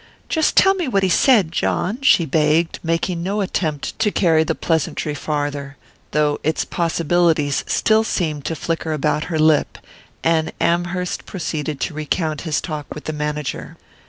"Tell me just what he said, John," she begged, making no attempt to carry the pleasantry farther, though its possibilities still seemed to flicker about her lip; and Amherst proceeded to recount his talk with the manager.